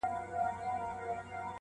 o له يوه لاسه ټک نه خېژي!